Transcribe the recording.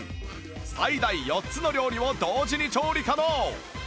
最大４つの料理を同時に調理可能！